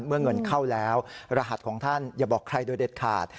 เมื่อเงินเข้าแล้วรหัสของท่านอย่าบอกใครโดยเด็ดขาด